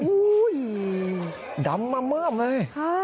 โอ้โฮดำมาเมื่อมเลย